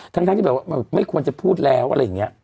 ทั้งที่แบบว่าไม่ควรจะพูดแล้วอะไรอย่างนี้